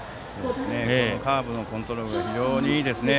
カーブのコントロールが非常にいいですね。